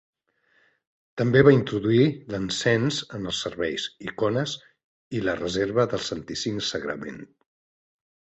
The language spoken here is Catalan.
També va introduir l'encens en els serveis, icones i la Reserva del Santíssim Sagrament.